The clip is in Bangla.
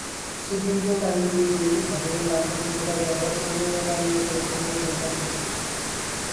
সুপ্রিম কোর্ট আইনজীবী সমিতি ভবনের ডানপাশে খোলা জায়গায় শামিয়ানা টানিয়ে চলছে অনশন কর্মসূচি।